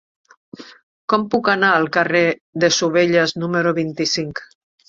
Com puc anar al carrer de Sovelles número vint-i-cinc?